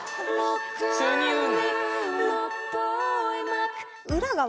普通に言うんだ。